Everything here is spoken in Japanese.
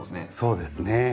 そうですね。